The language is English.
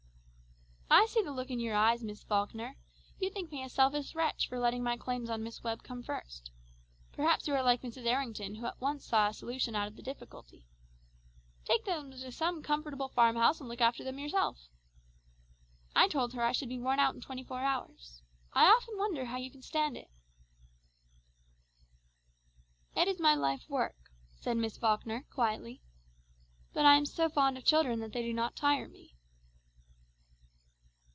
"I see the look in your eyes, Miss Falkner! You think me a selfish wretch for letting my claims on Miss Webb come first. Perhaps you are like Mrs. Errington, who at once saw a solution out of the difficulty. 'Take them to some comfortable farmhouse and look after them yourself!' I told her I should be worn out in twenty four hours. I often wonder how you can stand it!" "It is my life work," said Miss Falkner quietly. "But I am so fond of children that they do not tire me."